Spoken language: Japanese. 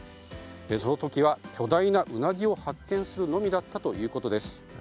その時は巨大なウナギを発見するのみだったということです。